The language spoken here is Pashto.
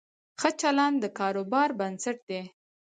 ښه چلند د کاروبار بنسټ دی.